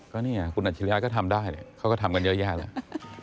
ก็เนี่ยคุณอัจฉริยะก็ทำได้เนี่ยเขาก็ทำกันเยอะแยะแล้ว